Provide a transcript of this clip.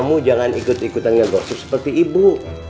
bunga kan ikut ikutannya gosip seperti ibu